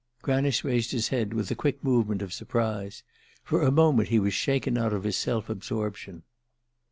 Granice raised his head with a quick movement of surprise. For a moment he was shaken out of his self absorption.